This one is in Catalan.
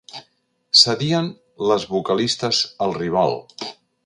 Cedien les vocalistes al rival.